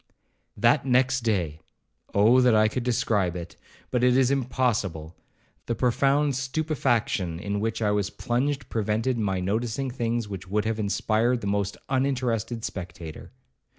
'That next day—Oh! that I could describe it!—but it is impossible—the profound stupefaction in which I was plunged prevented my noticing things which would have inspired the most uninterested spectator.